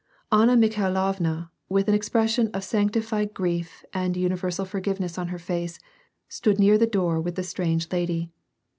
Anna Mikhailovna, with an expression of sanctified grief and universal forgiveness on her face, stood near the door with the strange lady.